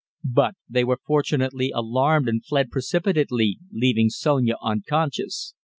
But they were fortunately alarmed and fled precipitately, leaving Sonia unconscious."